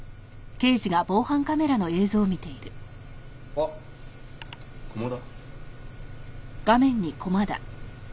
あっ駒田？